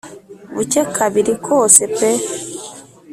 bucye kabiri kose pe